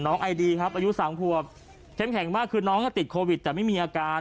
น้องไอดีครับอายุ๓ผัวเข้มแข็งมากคือน้องถ้าติดโควิดจะไม่มีอาการ